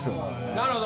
なるほど。